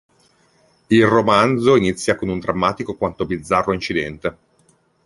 Il romanzo inizia con un drammatico quanto bizzarro incidente.